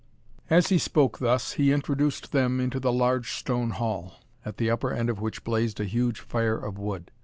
As he spoke thus, he introduced them into the large stone hall, at the upper end of which blazed a huge fire of wood.